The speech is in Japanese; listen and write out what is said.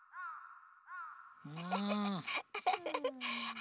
あ。